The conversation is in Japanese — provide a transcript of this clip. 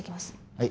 はい